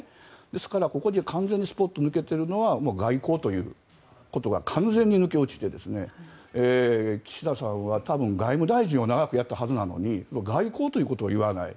ですから、ここに完全にスポッと抜けているのは外交ということが完全に抜け落ちて岸田さんは多分外務大臣を長くやったはずなのに外交ということを言わない。